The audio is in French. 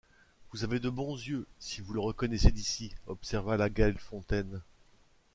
Vous avez de bons yeux si vous le reconnaissez d’ici ! observa la Gaillefontaine.